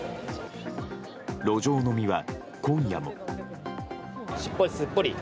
路上飲みは今夜も。